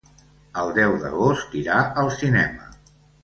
El deu d'agost irà al cinema.